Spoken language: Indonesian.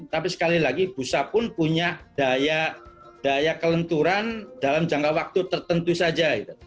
tapi sekali lagi busa pun punya daya kelenturan dalam jangka waktu tertentu saja